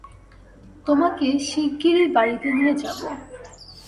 তোমাকে শিগগিরই বাড়িতে নিয়ে যাবো।